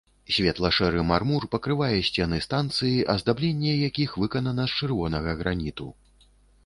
Светла-шэры мармур пакрывае сцены станцыі, аздабленне якіх выканана з чырвонага граніту.